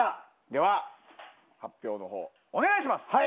では発表のほうお願いします。